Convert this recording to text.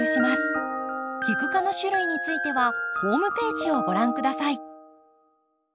キク科の種類についてはホームページをご覧下さい。